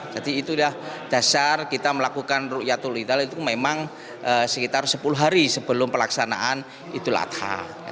jadi itulah dasar kita melakukan rukyatul idal itu memang sekitar sepuluh hari sebelum pelaksanaan idul adha